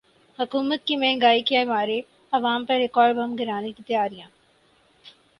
حکومت کی مہنگائی کے مارے عوام پر ایک اور بم گرانے کی تیاریاں